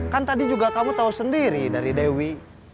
kan tadi juga kamu tahu sendiri dari dewi